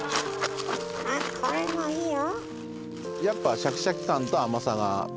あっこれもいいよ。